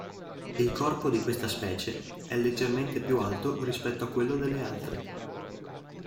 Il corpo di questa specie è leggermente più alto rispetto a quello delle altre.